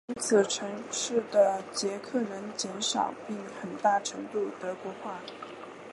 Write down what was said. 因此城市的捷克人减少并很大程度德国化。